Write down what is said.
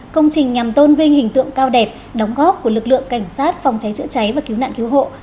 công trình nhằm tôn vinh hình tượng cao đẹp đóng góp của lực lượng cảnh sát phòng cháy chữa cháy và cứu nạn cứu hộ